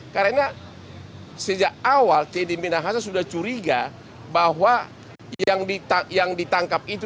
karena sejak awal t d binahasa sudah curiga bahwa yang ditangkap itu